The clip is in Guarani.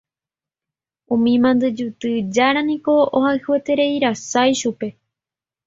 Umi mandyjuty jára niko ohayhuetereirasa ichupe.